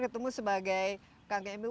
ketemu sebagai kang emil